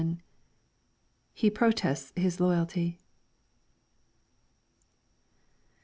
1121. He protests his loyalty.